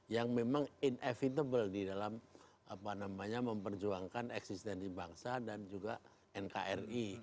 yang memang inevitable di dalam apa namanya memperjuangkan eksistensi bangsa dan juga nkri